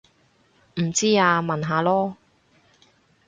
唔知啊問下囉